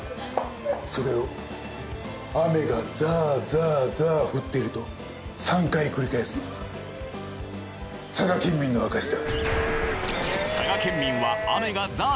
それを雨がザーザーザー降っていると３回繰り返すのは佐賀県民の証しだ。